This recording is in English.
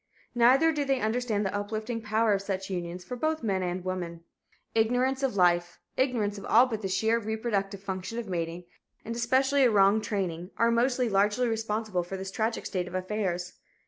Neither do they understand the uplifting power of such unions for both men and women. Ignorance of life, ignorance of all but the sheer reproductive function of mating, and especially a wrong training, are most largely responsible for this tragic state of affairs.